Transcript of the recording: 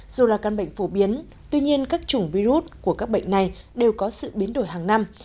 dù là căn bệnh phổ biến tuy nhiên các chủng virus của các bệnh này đều có sự biến đổi hàng năm